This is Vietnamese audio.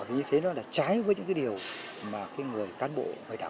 vì thế nó là trái với những điều mà người cán bộ và đảng viên đối với dân